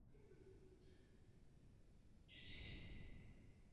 Dále byl zavlečen také do velké části Severní Americe a místně i do Karibiku.